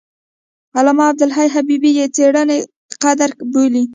علامه عبدالحي حبیبي یې څېړنه قدر بولي.